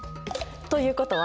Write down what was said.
ということは？